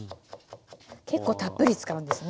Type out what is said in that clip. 結構たっぷり使うんですね。